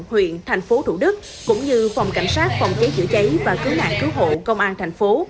huyện thành phố thủ đức cũng như phòng cảnh sát phòng cháy chữa cháy và cứu nạn cứu hộ công an thành phố